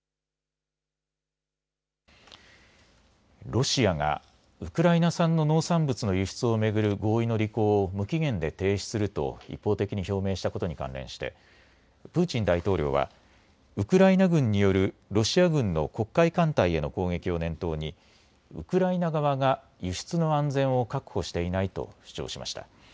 ロシアがウクライナ産の農産物の輸出を巡る合意の履行を無期限で停止すると一方的に表明したことに関連してプーチン大統領はウクライナ軍によるロシア軍の黒海艦隊への攻撃を念頭にウクライナ側が輸出の安全を確保していないと主張しました。